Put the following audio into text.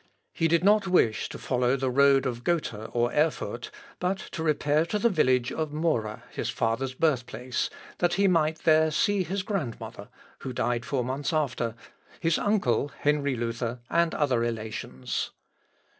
He did not wish to follow the road of Gotha or Erfurt, but to repair to the village of Mora, his father's birth place, that he might there see his grandmother, who died four months after, his uncle, Henry Luther, and other relations.